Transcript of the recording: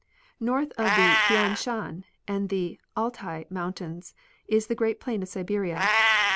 North of the Thian Shan and the Altai mountains is the great plain of Siberia.